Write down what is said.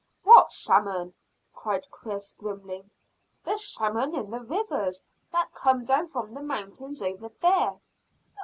"What salmon?" said Chris grimly. "The salmon in the rivers that come down from the mountains over there."